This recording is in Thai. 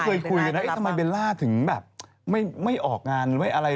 ก็เคยคุยกันว่าทั้งมีเบลล่าถึงไม่ออกงานหรือไร